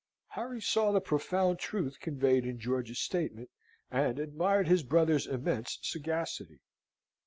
Harry saw the profound truth conveyed in George's statement, and admired his brother's immense sagacity.